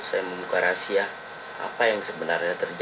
tengah melakukan kerja setelah melawat pak noticed dan jatuhkan kepresies